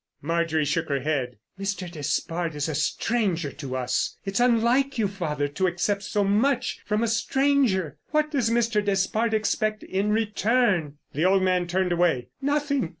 Marjorie shook her head. "Mr. Despard is a stranger to us. It's unlike you, father, to accept so much from a stranger. What does Mr. Despard expect in return?" The old man turned away. "Nothing.